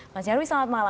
mas nyarwi selamat malam